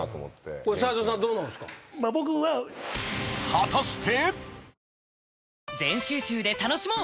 ［果たして！？］